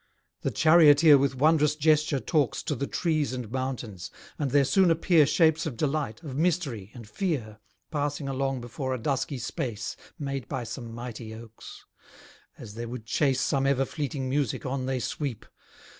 The charioteer with wond'rous gesture talks To the trees and mountains; and there soon appear Shapes of delight, of mystery, and fear, Passing along before a dusky space Made by some mighty oaks: as they would chase Some ever fleeting music on they sweep.